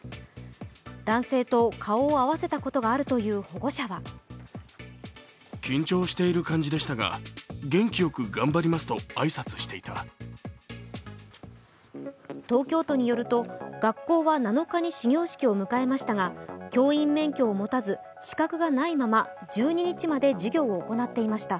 男性と顔を合わせたことがあるという保護者は東京都によると、学校は７日に始業式を迎えましたが教員免許を持たず、資格がないまま１２日まで授業を行っていました。